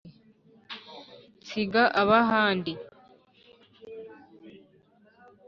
Nsiga abahandi